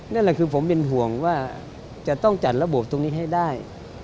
นั่นแหละคือผมเป็นห่วงว่าจะต้องจัดระบบตรงนี้ให้ได้